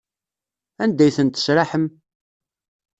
Anda ay ten-tesraḥem?